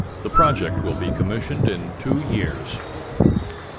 The project will be commissioned in two years.